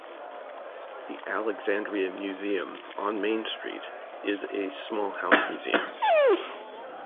The Alexandria Museum, on Main Street, is a small house museum.